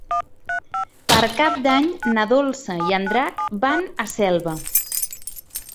Per Cap d'Any na Dolça i en Drac van a Selva.